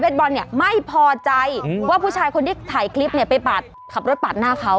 บอลเนี่ยไม่พอใจว่าผู้ชายคนที่ถ่ายคลิปเนี่ยไปปาดขับรถปาดหน้าเขา